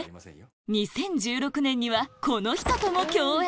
２０１６年にはこの人とも共演